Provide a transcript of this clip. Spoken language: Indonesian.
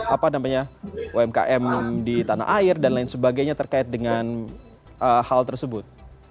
apa namanya umkm di tanah air dan lain sebagainya terkait dengan hal tersebut